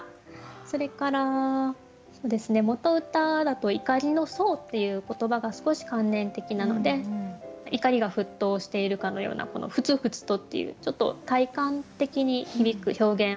それから元歌だと「怒りの相」っていう言葉が少し観念的なので怒りが沸騰しているかのような「ふつふつと」っていうちょっと体感的に響く表現を入れてみました。